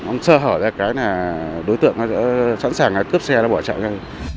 ông sơ hồn là cái đối tượng đã sẵn sàng cướp xe và bỏ chạy ra